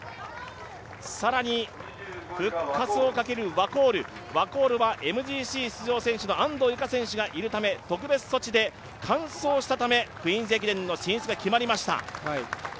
更に復活をかけるワコールはＭＧＣ出場選手の安藤友香選手がいるため特別措置で完走したためクイーンズ駅伝の進出が決まりました。